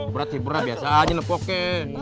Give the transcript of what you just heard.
berat berat biasa aja lepoknya